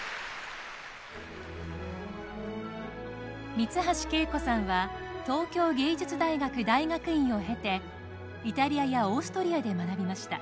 三ツ橋敬子さんは東京藝術大学大学院を経てイタリアやオーストリアで学びました。